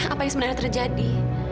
apa yang sebenarnya terjadi